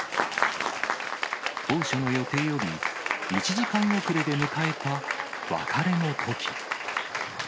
当初の予定より１時間遅れで迎えた別れの時。